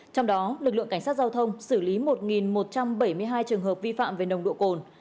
trong đó lực lượng cảnh sát giao thông xử lý một một trăm bảy mươi hai trường hợp vi phạm về nồng độ cồn